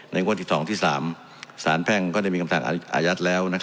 งวดที่๒ที่๓สารแพ่งก็ได้มีคำสั่งอายัดแล้ว